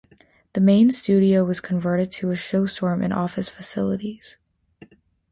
The main studio was converted to a showroom and office facilities.